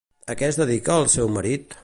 A què es dedica el seu marit?